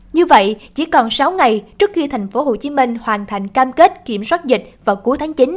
như vậy chỉ còn sáu ngày trước khi tp hcm hoàn thành cam kết kiểm soát dịch vào cuối tháng chín